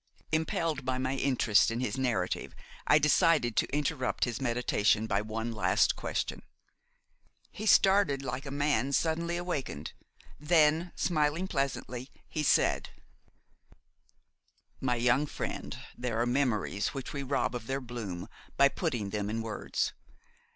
Impelled by my interest in his narrative, I decided to interrupt his meditation by one last question. He started like a man suddenly awakened; then, smiling pleasantly, he said: "My young friend, there are memories which we rob of their bloom by putting them in words.